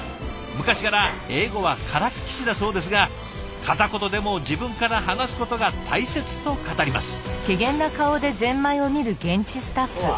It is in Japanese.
昔から英語はからっきしだそうですが片言でも自分から話すことが大切と語ります。